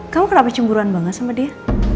kamu kenapa cemburuan banget sama dia